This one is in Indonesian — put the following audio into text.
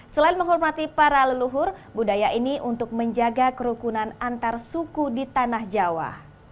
selain menghormati para leluhur budaya ini untuk menjaga kerukunan antar suku di tanah jawa